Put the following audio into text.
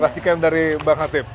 ras cikem dari mbak hatip